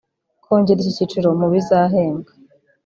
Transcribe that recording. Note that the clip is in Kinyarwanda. Kongera iki cyiciro mu bizahembwa